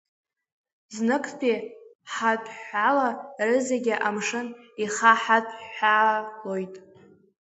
Зныктәи ҳаҭәҳәала рызегьы амшын ихаҳаҭәҳәалоит.